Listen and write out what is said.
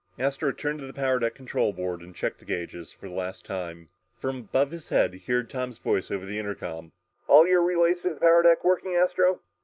Astro turned to the power deck control board and checked the gauges for the last time. From above his head, he heard Tom's voice over the intercom. "All your relays to the power deck working, Astro?"